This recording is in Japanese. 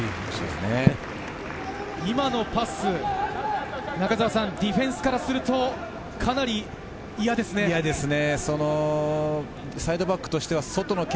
今のパス、ディフェンスからするとかなり嫌ですね。